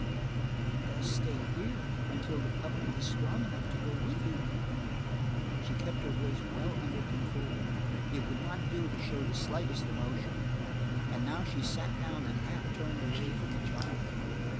"You'd best stay here until the puppy is strong enough to go with you." She kept her voice well under control; it would not do to show the slightest emotion, and now she sat down and half turned away from the child.